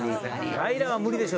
平良は無理でしょ。